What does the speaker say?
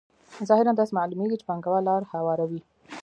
ظاهراً داسې معلومېږي چې پانګوال لار هواروي